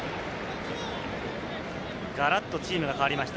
ガラッとチームが変わりました。